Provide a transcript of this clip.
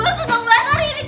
aku gak menghilang